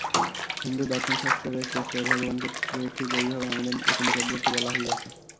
হিন্দু দর্শনশাস্ত্রেরও একটি স্তরে ভগবানকে ঠিক এইভাবেই আমাদের অতি নিকটবর্তী বলা হইয়াছে।